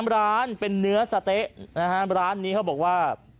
ร้านเป็นเนื้อสะเต๊ะนะฮะร้านนี้เขาบอกว่า